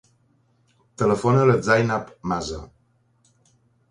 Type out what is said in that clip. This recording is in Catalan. Telefona a la Zainab Masa.